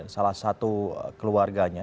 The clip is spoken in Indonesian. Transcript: salah satu keluarganya